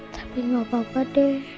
tapi mama papa deh